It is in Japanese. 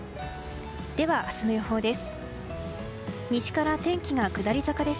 では、明日の予報です。